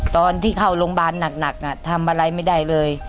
ตอนที่เข้าโรงพยาบาลหนักทำอะไรไม่ได้เลย